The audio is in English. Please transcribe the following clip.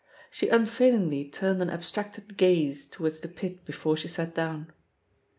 She un failingly turned an abstracted gaze towards the pit before she sat down.